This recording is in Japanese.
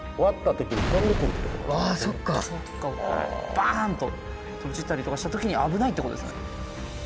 バーンと飛び散ったりとかした時に危ないってことですかね。